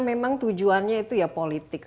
memang tujuannya itu ya politik